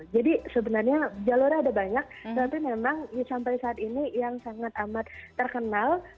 jadi sebenarnya jalurnya ada banyak tapi memang sampai saat ini yang sangat amat terkenal